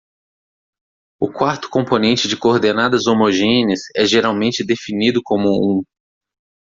O quarto componente de coordenadas homogêneas é geralmente definido como um.